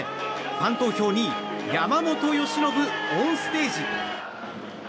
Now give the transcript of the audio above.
ファン投票２位山本由伸オンステージ。